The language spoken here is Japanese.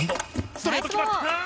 ストレート、決まった！